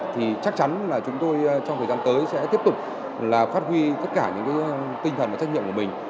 thì chắc chắn là chúng tôi trong thời gian tới sẽ tiếp tục là phát huy tất cả những tinh thần và trách nhiệm của mình